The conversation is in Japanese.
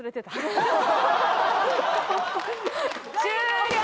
終了！